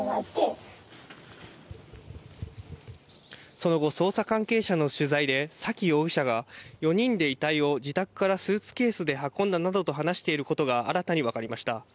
その後、捜査関係者への取材で沙喜容疑者が４人で遺体を自宅からスーツケースで運んだなどと話していることが新たにわかりました。